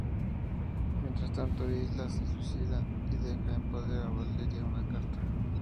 Mientras tanto Hilda se suicida, y deja en poder de Valeria una carta.